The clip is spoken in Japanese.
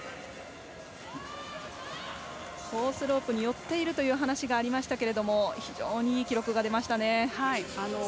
コースロープによっているというお話がありましたけれども非常に、いい記録が出ましたね。